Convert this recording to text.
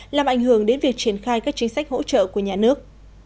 làm ảnh hưởng đến việc triển khai các chính sách hỗ trợ của nhà nước